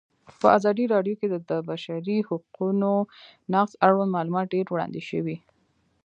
په ازادي راډیو کې د د بشري حقونو نقض اړوند معلومات ډېر وړاندې شوي.